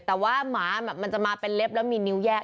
แต่ว่าหมามันจะมาเป็นเล็บแล้วมีนิ้วแยก